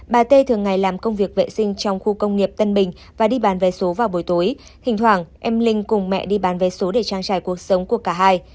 bà t thường ngày làm công việc vệ sinh trong khu công nghiệp tân bình và đi bán vé số vào buổi tối thỉnh thoảng em linh cùng mẹ đi bán vé số để trang trải cuộc sống của cả hai